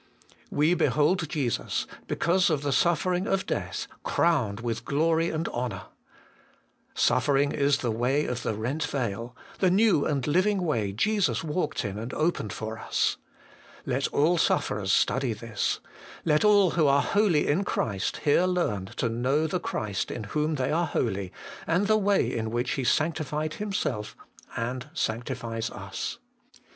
'We behold Jesus, because of the suffering of death, crowned with glory and honour.' Suffering is the way of the rent veil, the new and living way Jesus walked in and opened for us. Let all sufferers study this. Let all who are 'holy in Christ' here learn to know the Christ In whom they are holy, and the way in which He sanctified Himself and sanctifies us.